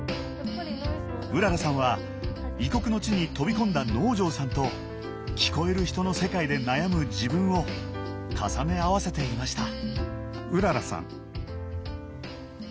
うららさんは異国の地に飛び込んだ能條さんと聞こえる人の世界で悩む自分を重ね合わせていました。